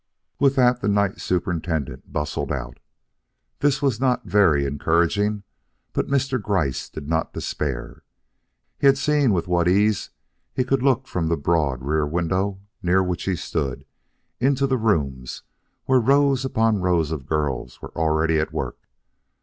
With that the night superintendent bustled out. This was not very encouraging, but Mr. Gryce did not despair. He had seen with what ease he could look from the broad, rear window near which he stood, into the rooms where rows upon rows of girls were already at work.